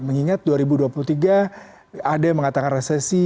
mengingat dua ribu dua puluh tiga ada yang mengatakan resesi